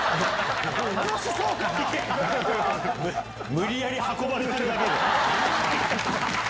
無理やり運ばれてるだけだよ。